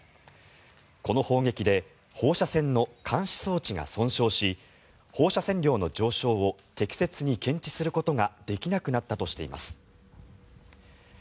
この砲撃で放射線の監視装置が損傷し放射線量の上昇を適切に検知することができなくなったとしています。